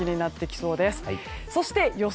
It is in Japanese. そして予想